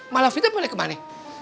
malah fitanya pada kemana